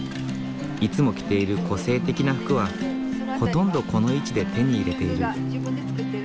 いつも着ている個性的な服はほとんどこの市で手に入れている。